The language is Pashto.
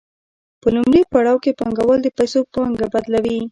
په لومړي پړاو کې پانګوال د پیسو پانګه بدلوي